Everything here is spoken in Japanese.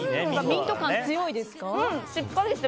ミント感、強いですか？